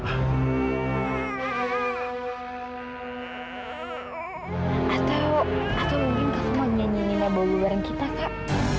atau mungkin kak fah mau nyanyi nyanyi nabolu bareng kita kak